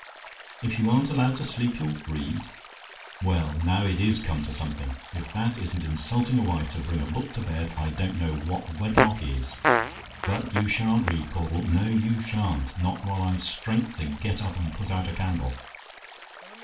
"IF YOU AREN'T ALLOWED TO SLEEP, YOU'LL READ? "Well, now it is come to something! If that isn't insulting a wife to bring a book to bed, I don't know what wedlock is. But you sha'n't read, Caudle; no, you sha'n't; not while I've strength to get up and put out a candle.